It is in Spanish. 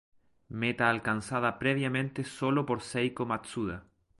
Meta alcanzada previamente solo por Seiko Matsuda.